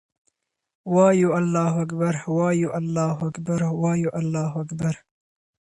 وایو الله اکــبر، وایو الله اکـــبر، وایـــــو الله اکــــــــبر